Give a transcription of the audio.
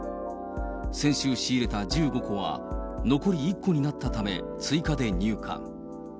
先週仕入れた１５個は残り１個になったため、追加で入荷。